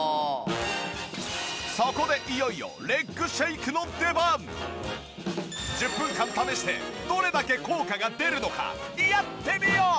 そこでいよいよ１０分間試してどれだけ効果が出るのかやってみよう！